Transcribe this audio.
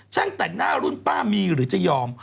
แต่งหน้ารุ่นป้ามีหรือจะยอม